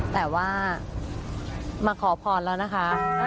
แต่ว่ามาขอพรแล้วนะคะ